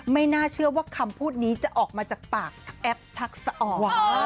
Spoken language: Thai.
ไม่น่าเชื่อว่าคำพูดนี้จะออกมาจากปากแอปทักษะอ่อน